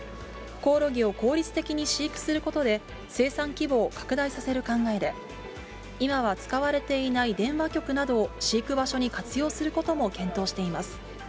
コオロギを効率的に飼育することで、生産規模を拡大させる考えで、今は使われていない電話局などを飼育場所に活用することも検討しています。